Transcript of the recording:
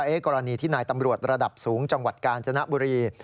กรณีที่นายตำรวจระดับสูงจังหวัดกาญจนบุรี